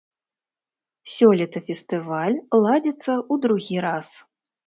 Сёлета фестываль ладзіцца ў другі раз.